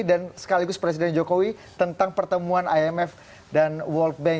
dan sekaligus presiden jokowi tentang pertemuan imf dan world bank